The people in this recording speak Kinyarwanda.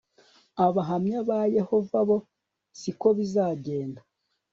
abahamya ba yehova bo siko bizagenda